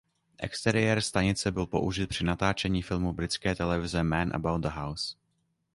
Exteriér stanice byl použit při natáčení filmu Britské televize Man About the House.